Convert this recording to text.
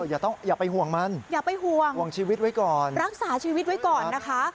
อย่าไปห่วงมันห่วงชีวิตไว้ก่อนรักษาชีวิตไว้ก่อนนะคะ